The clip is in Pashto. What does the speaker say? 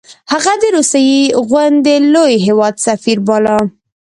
هغه د روسیې غوندې لوی هیواد سفیر باله.